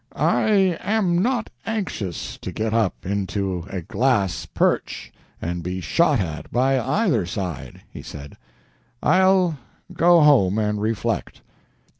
"I am not anxious to get up into a glass perch and be shot at by either side," he said. "I'll go home and reflect."